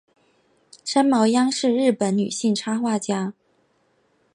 三毛央是日本女性插画家。